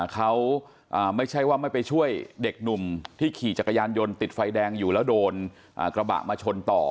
เขาไม่ใช่ว่าไม่ไปช่วยเด็กหนุ่มที่ขี่จักรยานยนต์ติดไฟแดงอยู่แล้วโดนกระบะมาชนต่อ